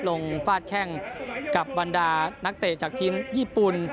ฟาดแข้งกับบรรดานักเตะจากทีมญี่ปุ่น